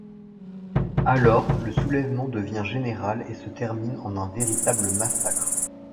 Alors le soulèvement devient général et se termine en un véritable massacre.